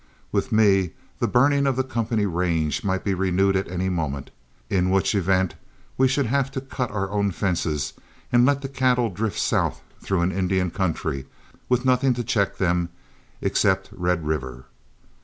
With me, the burning of the company range might be renewed at any moment, in which event we should have to cut our own fences and let the cattle drift south through an Indian country, with nothing to check them except Red River.